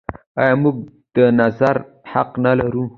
آیا موږ د نظر حق نلرو؟